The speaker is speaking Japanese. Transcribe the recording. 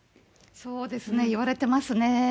そうですね、言われてますね。